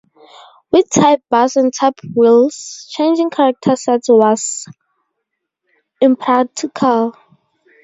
With type bars and type wheels, changing character sets was impractical.